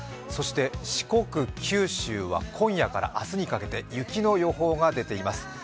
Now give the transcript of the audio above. そして四国、九州は今夜から明日にかけて雪の予報が出ています。